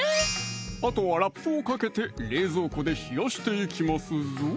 あとはラップをかけて冷蔵庫で冷やしていきますぞ